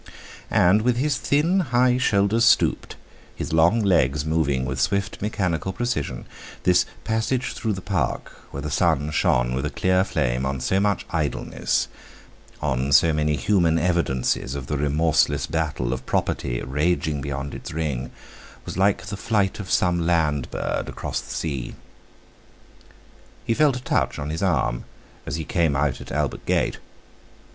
And, with his thin, high shoulders stooped, his long legs moving with swift mechanical precision, this passage through the Park, where the sun shone with a clear flame on so much idleness—on so many human evidences of the remorseless battle of Property, raging beyond its ring—was like the flight of some land bird across the sea. He felt a touch on the arm as he came out at Albert Gate.